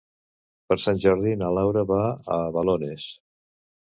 Per Sant Jordi na Laura va a Balones.